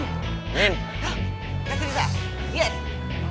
terima kasih pak